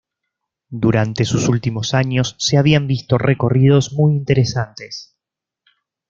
Durante los últimos años se habían visto recorridos muy interesantes.